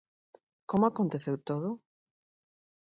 Como aconteceu todo?